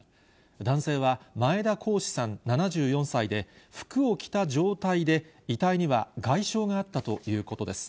男性は前田こうしさん７４歳で、服を着た状態で、遺体には外傷があったということです。